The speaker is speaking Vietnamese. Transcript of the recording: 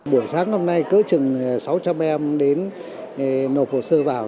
buổi sáng hôm nay cứ chừng sáu trăm linh em đến nộp hồ sơ vào